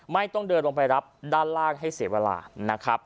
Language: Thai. ไม่ต้องเดินลงไปรับด้านล่างให้เสียเวลานะครับ